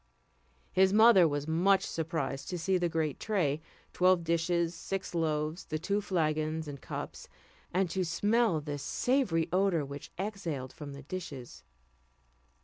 His mother was much surprised to see the great tray, twelve dishes, six loaves, the two flagons and cups, and to smell the savoury odour which exhaled from the dishes.